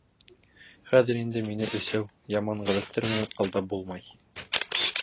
Хәҙер инде мине эсеү, яман ғәҙәттәр менән алдап булмай.